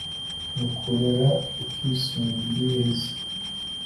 mu kurora ukisunga iriheze